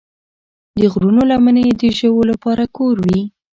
د غرونو لمنې د ژویو لپاره کور وي.